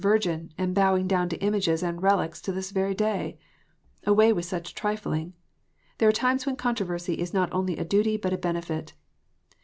377 Virgin, and bowing down to images and relics to this very day ! Away with such trifling ! There are times when controversy is not only a duty but a benefit.